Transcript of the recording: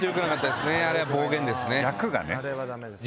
あれは暴言ですね。